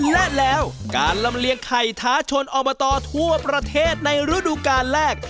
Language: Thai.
และแล้วการลำเลียงไข่ท้าชนอบตทั่วประเทศในฤดูกาลแรก